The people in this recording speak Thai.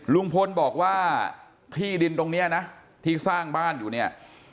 ลุงพลบอกว่าที่ดินตรงนี้นะที่สร้างบ้านอยู่เนี่ย